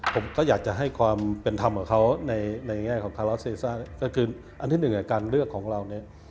ผมก็อยากจะให้ความเป็นธรรมกับเขาในในแง่ของคาราเซซ่าก็คืออันที่หนึ่งการเลือกของเราเนี่ย